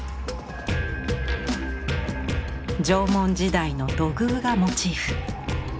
縄文時代の土偶がモチーフ。